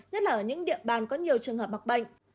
nhất là ở những địa bàn có nhiều trường hợp mắc bệnh